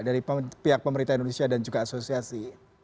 dari pihak pemerintah indonesia dan juga asosiasi